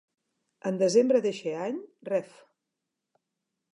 En desembre d'eixe any, Rev.